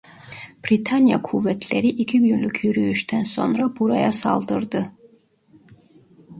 Britanya kuvvetleri iki günlük yürüyüşten sonra buraya saldırdı.